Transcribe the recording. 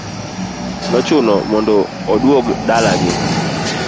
Nochune mondo odug dala gi.